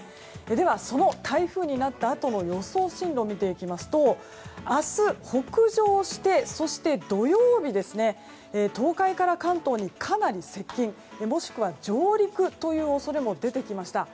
では、その台風になったあとの予想進路を見ていきますと明日、北上して土曜日、東海から関東にかなり接近もしくは上陸という恐れも出てきました。